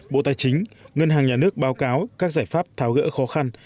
bộ tài chính ngân hàng nhà nước báo cáo các giải pháp tháo gỡ khó khăn